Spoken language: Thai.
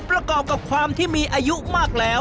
ประกอบกับความที่มีอายุมากแล้ว